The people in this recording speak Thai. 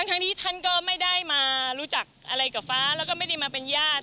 ทั้งที่ท่านก็ไม่ได้มารู้จักอะไรกับฟ้าแล้วก็ไม่ได้มาเป็นญาติ